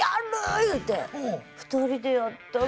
いうて２人でやったの。